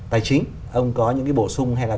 tài chính ông có những bổ sung hay là